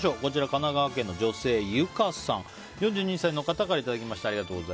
神奈川県の女性、４２歳の方からいただきました。